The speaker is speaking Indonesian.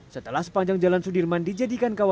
setelah sepanjang jalan sudirman dijadikan kawasan